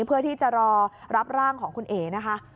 เพื่อที่จะรอรับร่างของคุณเอ๋นะคะ